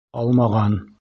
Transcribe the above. Алмаған.